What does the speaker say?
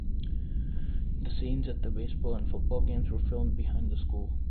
The scenes at the baseball and football games were filmed behind the school.